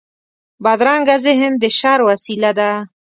بدرنګه ذهن د شر وسيله ده